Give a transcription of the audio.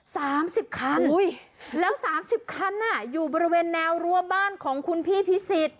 สามสิบคันอุ้ยแล้วสามสิบคันอ่ะอยู่บริเวณแนวรัวบ้านของคุณพี่พิสิทธิ